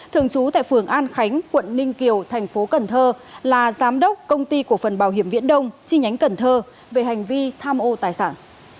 thường trú tại phường an khánh quận ninh kiều thành phố cần thơ là giám đốc công ty của phần bảo hiểm viễn đông chi nhánh cần thơ về hành vi tham ô tài sản